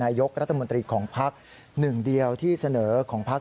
นายกรัฐมนตรีของพักหนึ่งเดียวที่เสนอของพัก